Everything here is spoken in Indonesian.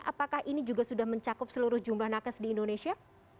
apakah ini juga sudah mencakup seluruh jumlah nakes di indonesia